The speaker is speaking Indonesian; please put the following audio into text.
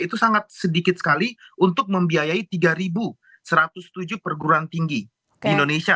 itu sangat sedikit sekali untuk membiayai tiga satu ratus tujuh perguruan tinggi di indonesia